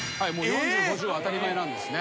４０５０当たり前なんですね。